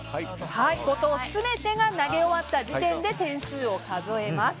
５投全て投げ終わった時点で点数を数えます。